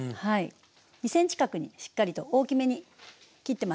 ２ｃｍ角にしっかりと大きめに切ってます。